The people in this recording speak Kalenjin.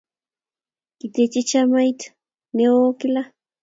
kiteche chamiet ne nyo kila